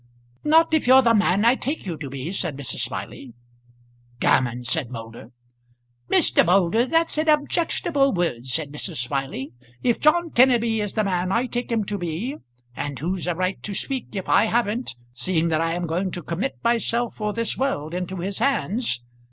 "Not if you're the man I take you to be," said Mrs. Smiley. "Gammon!" said Moulder. "Mr. Moulder, that's an objectionable word," said Mrs. Smiley. "If John Kenneby is the man I take him to be, and who's a right to speak if I haven't, seeing that I am going to commit myself for this world into his hands?"